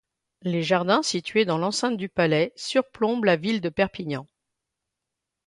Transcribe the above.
Les jardins situés dans l'enceinte du palais surplombent la ville de Perpignan.